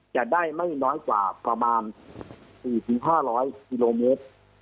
จะได้ไม่น้อยกว่าประมาณ๔๕๐๐กิโลเมตร